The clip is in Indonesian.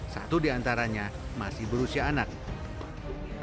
satu di antaranya masih berusia anak